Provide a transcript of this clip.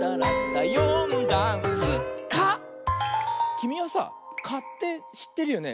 きみはさ「か」ってしってるよね？